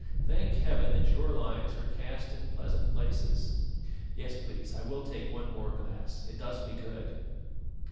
Thank Heaven that your lines are cast in pleasant places. Yes, please, I will take one more glass; it does me good."